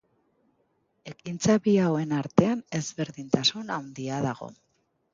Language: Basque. Ekintza bi hauen artean ezberdintasun handia dago.